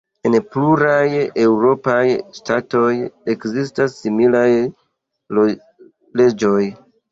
En pluraj eŭropaj ŝtatoj ekzistas similaj leĝoj.